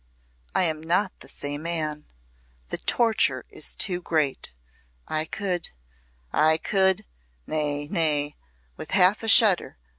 I am not the same man! The torture is too great. I could I could nay! nay!" with half a shudder.